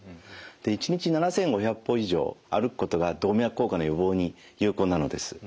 １日７，５００歩以上歩くことが動脈硬化の予防に有効なのです。